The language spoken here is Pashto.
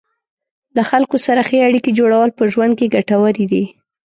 د خلکو سره ښې اړیکې جوړول په ژوند کې ګټورې دي.